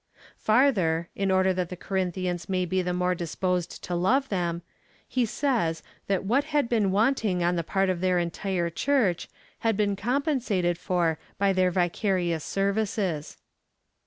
Farther, in order that the Corinthians may be the more disposed to love them, he says, that what had been luanting on the part of their entire Church had been compensated for by their vicarious services.